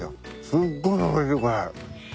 すっごいおいしいこれ。